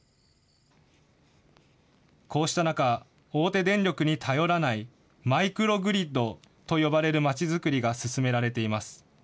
こうした中、大手電力に頼らないマイクログリッドと呼ばれるまちづくりが進められています。